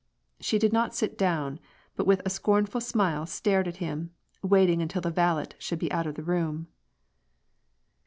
She did not sit down, but with a scornful smile stared at him, waiting until the valet should be out of the room.